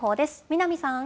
南さん。